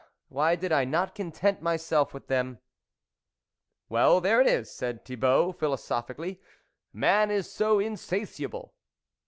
why did I not content myself with them ?" "Well, there it is," said Thibault philosophically. " Man is so insatiable."